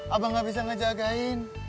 abah gak bisa ngejagain